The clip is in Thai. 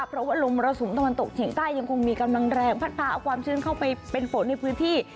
เพราะว่าลมมรสุมตะวันตกเฉียงใต้ยังคงมีกำลังแรงพัดพาเอาความชื้นเข้าไปเป็นฝนในพื้นที่